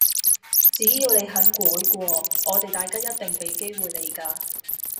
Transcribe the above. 只要你肯改過，我哋大家一定畀機會你㗎